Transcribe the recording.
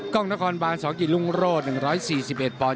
ก้องนครบางสองกินลุงโรด๑๔๑ปอนด์